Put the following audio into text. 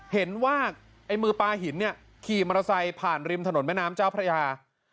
เห็นว่าไอ้มือปลาหินเนี่ยขี่มอเตอร์ไซค์ผ่านริมถนนแม่น้ำเจ้าพระยา